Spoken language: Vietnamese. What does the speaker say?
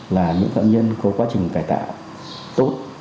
là những phạm nhân có quá trình cải tạo tốt